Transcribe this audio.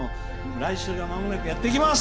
来週がまもなくやってきます。